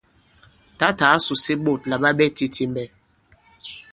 Tǎtà ǎ sùse ɓôt àla ɓa ɓɛ titimbɛ.